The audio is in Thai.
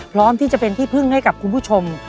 พร้อมที่จะเป็นที่พึ่งให้กับคุณผู้ชม